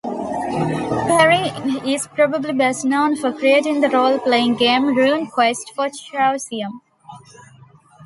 Perrin is probably best known for creating the role-playing game "RuneQuest" for Chaosium.